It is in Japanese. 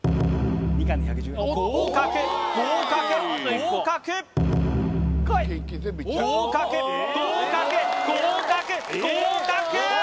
合格合格合格合格合格合格合格！